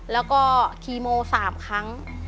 แล้วก็คีโม๓ครั้ง